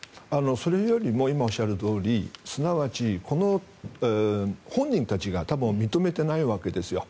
それよりも今、おっしゃるようにすなわち、この本人たちが多分、認めていないわけですよ。